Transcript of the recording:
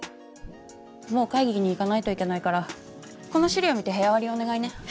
もう会議に行かないといけないからこの資料見て部屋割りをお願いね。